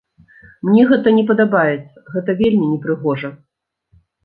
Мне гэта не падабаецца, гэта вельмі непрыгожа.